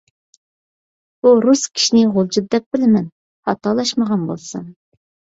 بۇ رۇس كىشىنى غۇلجىدا دەپ بىلىمەن، خاتالاشمىغان بولسام.